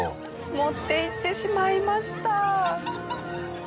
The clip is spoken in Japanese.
持っていってしまいました。